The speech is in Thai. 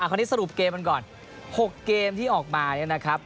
คราวนี้สรุปเกมกันก่อน๖เกมที่ออกมาเนี่ยนะครับ